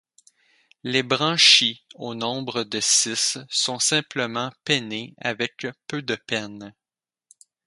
Les branchies, au nombre de six, sont simplement pennées avec peu de pennes.